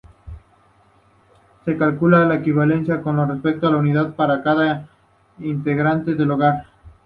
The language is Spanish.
Se calcula la equivalencia con respecto a esa unidad para cada integrante del hogar.